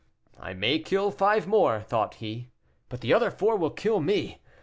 "I may kill five more," thought he, "but the other four will kill me.